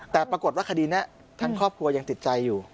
แต่ปรากฏว่าคดีนี้ทางครอบครัวยังติดใจอยู่